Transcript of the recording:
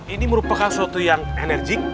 ini merupakan suatu yang enerjik